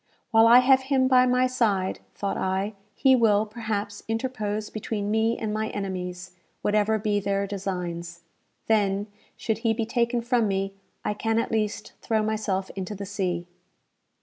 "While I have him by my side," thought I, "he will, perhaps, interpose between me and my enemies, whatever be their designs. Then, should he be taken from me, I can at least throw myself into the sea."